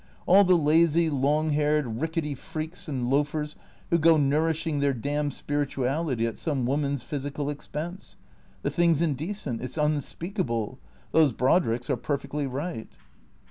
All the lazy, long haired, rickety freaks and loafers who go nourishing their damned spirituality at some woman's physical expense. The thing's indecent, it 's unspeakable. Those Brodricks are perfectly right."